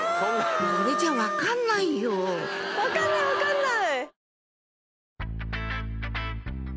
これじゃ分かんないよ分かんない分かんない！